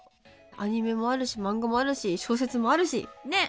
アニメもあるしマンガもあるし小説もあるしね！